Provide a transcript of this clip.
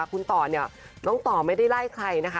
คุณต่อเนี่ยน้องต่อไม่ได้ไล่ใครนะคะ